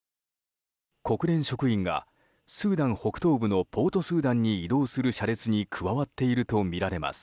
国連職員がスーダン北東部のポートスーダンに移動する車列に加わっているとみられます。